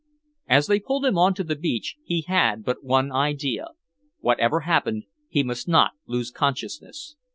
As they pulled him on to the beach, he had but one idea. Whatever happened, he must not lose consciousness.